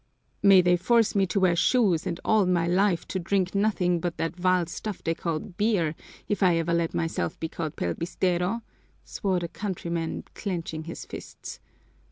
"May they force me to wear shoes and in all my life to drink nothing but that vile stuff they call beer, if I ever let myself be called pelbistero!" swore the countryman, clenching his fists.